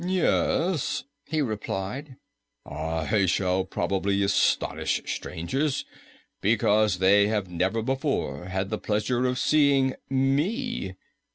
"Yes," he replied, "I shall probably astonish strangers, because they have never before had the pleasure of seeing me.